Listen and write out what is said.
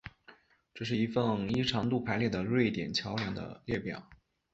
这是一份依长度排列的瑞典桥梁的列表